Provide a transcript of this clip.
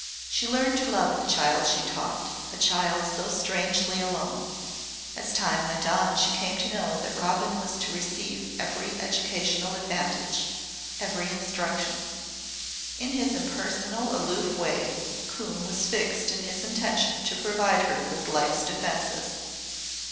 She learned to love the child she taught a child so strangely alone. As time went on she came to know that Robin was to receive every educational advantage, every instruction. In his impersonal, aloof way Coombe was fixed in his intention to provide her with life's defences.